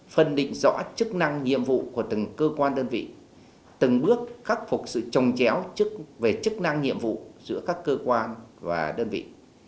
phân định rõ chức năng nhiệm vụ của từng cơ quan đơn vị từng bước khắc phục sự trồng chéo về chức năng nhiệm vụ giữa các cơ quan và đơn vị